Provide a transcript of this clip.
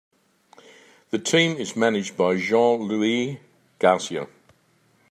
The team is managed by Jean-Louis Garcia.